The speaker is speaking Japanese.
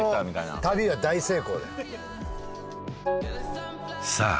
この旅は大成功だよさあ